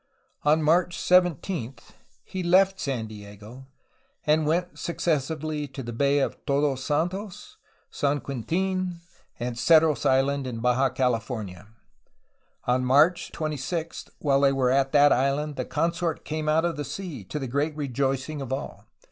'^ On March 17 he left San Diego, and went successively to the Bay of Todos Santos, San Quentln, and Cerros Island in Baja California. On March 26, while they were at that island, the consort came out of the sea, to the great rejoicing of all.